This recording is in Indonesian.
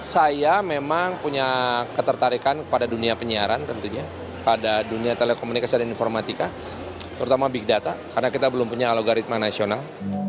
saya memang punya ketertarikan kepada dunia penyiaran tentunya pada dunia telekomunikasi dan informatika terutama big data karena kita belum punya alogaritma nasional